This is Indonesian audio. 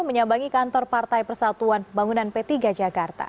menyambangi kantor partai persatuan pembangunan p tiga jakarta